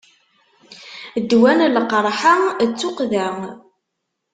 Ddwa n lqerḥ-a d tuqqda.